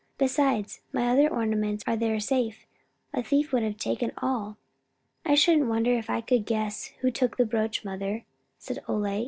Besides, my other ornaments are there safe. A thief would have taken all." "I shouldn't wonder if I could guess who took the brooch, mother," said Ole.